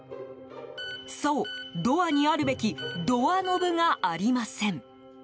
そう、ドアにあるべきドアノブがありません。